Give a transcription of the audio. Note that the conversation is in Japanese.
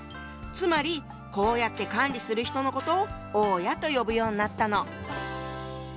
つまりこうやって管理する人のことを「大家」と呼ぶようになったの。